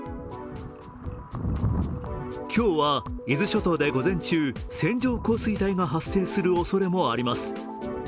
今日は伊豆諸島で午前中線状降水帯が発生するおそれもあります。